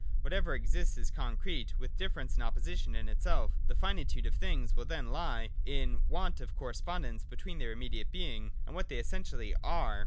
Whatever exists is concrete, with difference and opposition in itself The finitude of things will then lie in the want of correspondence between their immediate being, and what they essentially are.